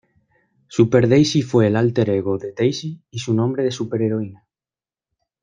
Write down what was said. Super Daisy fue el álter ego de Daisy y su nombre de superheroína.